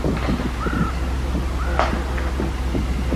এই ঘরের কসম, মক্কাবাসীদের উপরে এই ঘরের হক রয়েছে।